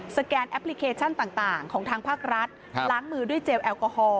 แกนแอปพลิเคชันต่างของทางภาครัฐล้างมือด้วยเจลแอลกอฮอล